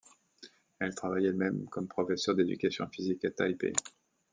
Elle travaille elle-même comme professeur d'éducation physique à Taipei.